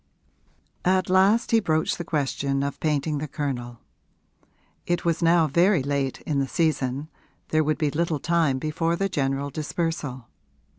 III At last he broached the question of painting the Colonel: it was now very late in the season there would be little time before the general dispersal.